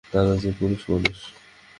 দাদা যে পুরুষমানুষ।